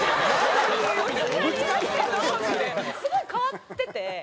すごい変わってて。